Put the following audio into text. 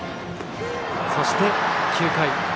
そして９回。